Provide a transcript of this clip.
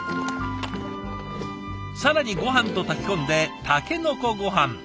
更にごはんと炊き込んでタケノコごはん。